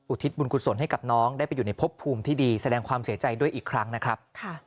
ทิศบุญกุศลให้กับน้องได้ไปอยู่ในพบภูมิที่ดีแสดงความเสียใจด้วยอีกครั้งนะครับ